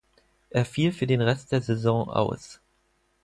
Er fiel für den Rest der Saison aus.